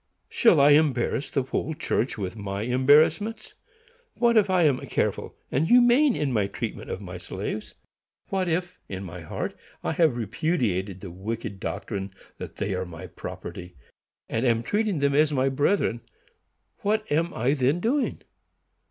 Shall I embarrass the whole church with my embarrassments? What if I am careful and humane in my treatment of my slaves,—what if, in my heart, I have repudiated the wicked doctrine that they are my property, and am treating them as my brethren,—what am I then doing?